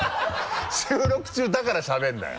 収録中だからしゃべるんだよ。